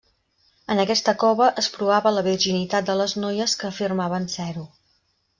En aquesta cova es provava la virginitat de les noies que afirmaven ser-ho.